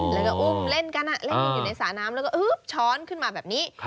แล้วก็อุ้มเล่นกันอ่ะเล่นอยู่ในสาน้ำแล้วก็ช้อนขึ้นมาแบบนี้